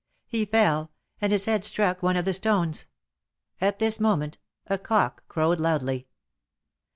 He fell, and his head struck one of the stones. At this moment a cock crowed loudly.